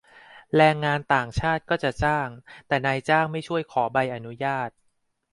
แรงงานต่างชาติก็จะจ้าง แต่นายจ้างไม่ช่วยขอใบอนุญาต